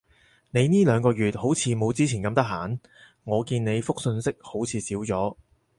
你呢兩個月好似冇之前咁得閒？我見你覆訊息好似少咗